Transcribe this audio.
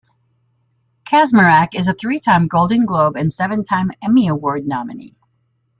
Kaczmarek is a three-time Golden Globe and seven-time Emmy Award nominee.